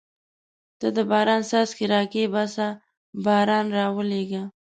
ته د باران څاڅکي را کښېباسه باران راولېږه.